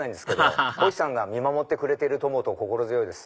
ハハハこひさんが見守ってくれてると思うと心強いです。